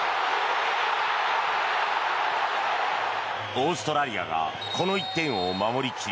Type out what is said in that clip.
オーストラリアがこの１点を守り切り